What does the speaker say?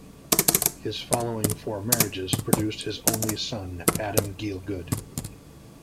His following four marriages produced his only son, Adam Gielgud.